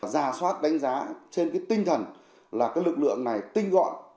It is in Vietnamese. giả soát đánh giá trên tinh thần là lực lượng này tinh gọn